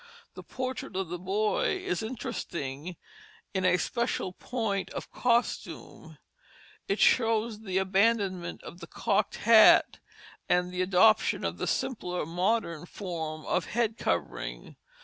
The portrait of the boy is interesting in a special point of costume; it shows the abandonment of the cocked hat and adoption of the simpler modern form of head covering.